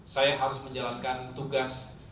saya harus menjalankan tugas